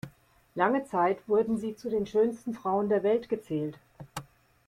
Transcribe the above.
Lange Zeit wurden sie zu den schönsten Frauen der Welt gezählt.